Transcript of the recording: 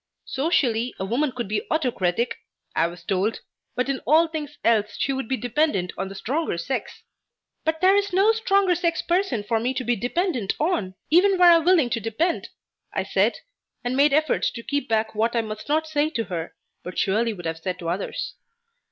Socially, a woman could be autocratic, I was told, but in all things else she should be dependent on the stronger sex. "But there is no stronger sex person for me to be dependent upon, even were I willing to depend," I said, and made effort to keep back what I must not say to her, but surely would have said to others.